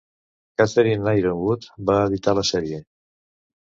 Catherine Yronwode va editar la sèrie.